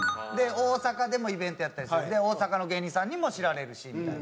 大阪でもイベントやったりするんで大阪の芸人さんにも知られるしみたいな。